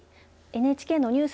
ＮＨＫのニュース